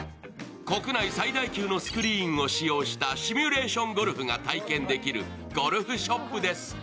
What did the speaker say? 国内最大級のスクリーンを使用したシミュレーションゴルフが体験できるゴルフショップです。